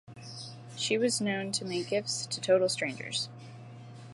She was known to make gifts to total strangers.